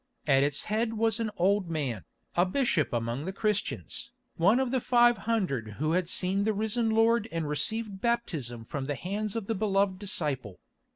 At its head was an old man, a bishop among the Christians, one of the five hundred who had seen the risen Lord and received baptism from the hands of the Beloved Disciple.